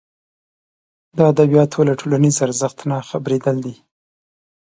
د ادبیاتو له ټولنیز ارزښت نه خبرېدل دي.